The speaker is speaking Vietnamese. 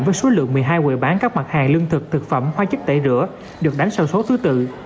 với số lượng một mươi hai quầy bán các mặt hàng lương thực thực phẩm hoa chất tẩy rửa được đánh sang số thứ tự